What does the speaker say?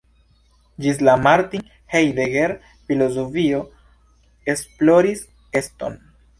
Ĝis la Martin Heidegger filozofio esploris eston.